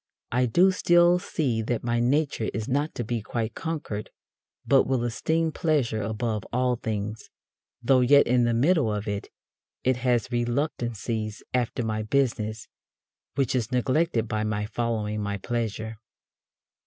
I do still see that my nature is not to be quite conquered, but will esteem pleasure above all things, though yet in the middle of it, it has reluctances after my business, which is neglected by my following my pleasure.